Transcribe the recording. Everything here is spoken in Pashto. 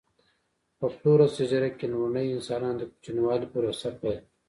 په فلورس جزیره کې لومړنیو انسانانو د کوچنیوالي پروسه پیل کړه.